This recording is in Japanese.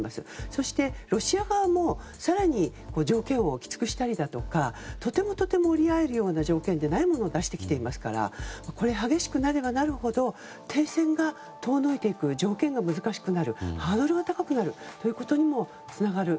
そして、ロシア側も更に条件をきつくしたりだとかとてもとても折り合えるような条件でないものを出してきてますから激しくなればなるほど停戦が遠のいていく条件が難しくなる、ハードルが高くなるということにもつながる。